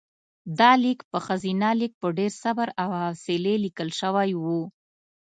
دا لیک په ښځینه لیک په ډېر صبر او حوصلې لیکل شوی و.